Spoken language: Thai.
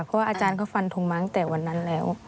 เพราะว่าอาจารย์ก็ฟันทงมาตั้งแต่วันนั้นแล้ว